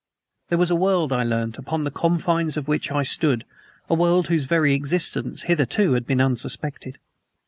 There was a world, I learned, upon the confines of which I stood, a world whose very existence hitherto had been unsuspected.